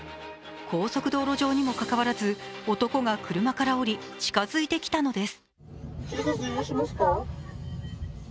高速道路上にもかかわらず男が車から降り、近づいてきたのです。